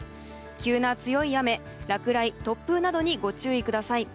急な強い雨、落雷、突風などにご注意ください。